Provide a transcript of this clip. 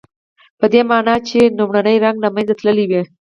پدې معنی چې لومړنی رنګ له منځه تللی وي.